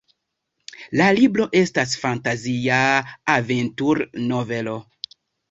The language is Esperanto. La libro estas fantazia aventur-novelo.